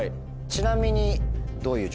ちなみに。